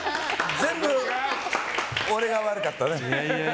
全部俺が悪かったね。